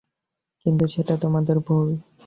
কিন্তু সেটা তোমাদের ভুল।